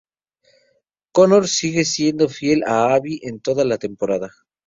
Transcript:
Connor sigue siendo fiel a Abby en toda la temporada.